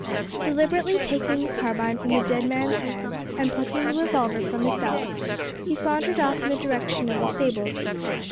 Deliberately taking the carbine from the dead man's hand, and plucking the revolver from his belt, he sauntered off in the direction of the stables.